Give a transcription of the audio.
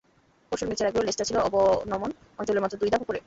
পরশুর ম্যাচের আগেও লেস্টার ছিল অবনমন অঞ্চলের মাত্র দুই ধাপ ওপরে।